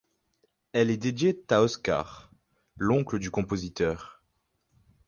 Elle est dédiée à Oskar, l'oncle du compositeur.